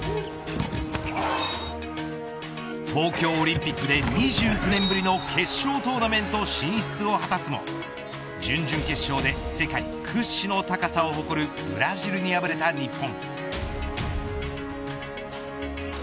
東京オリンピックで２９年ぶりの決勝トーナメント進出を果たすも準々決勝で世界屈指の高さを誇るブラジルに敗れた日本。